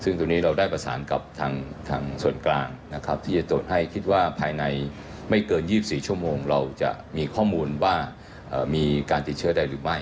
ใน๒๔ชั่วโมงเราจะมีข้อมูลว่ามีการติดเชื้อได้หรือไม่